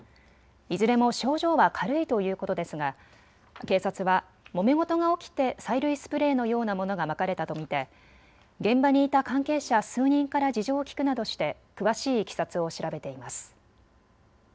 いずれも症状は軽いということですが、警察はもめ事が起きて催涙スプレーのようなものがまかれたと見て、現場にいた関係者数人から事情を聞くなどして詳しいいきさつを調べています。